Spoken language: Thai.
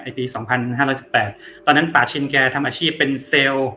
ไอ้ปีสองพันห้าร้อยสิบแปดตอนนั้นป่าชินแกทำอาชีพเป็นเซล